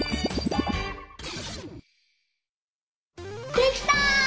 できた！